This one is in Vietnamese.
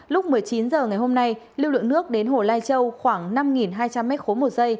lúc một mươi chín h ngày hôm nay lưu lượng nước đến hồ lai châu khoảng năm hai trăm linh m ba một giây